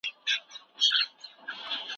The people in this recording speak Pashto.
تاسو باید د مقالي لپاره یو چوکاټ ترتیب کړئ.